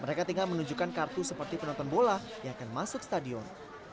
mereka tinggal menunjukkan kartu seperti penonton bola yang akan masuk stadion